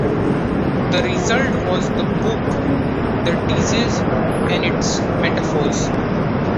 The result was the book “The disease and its metaphors”.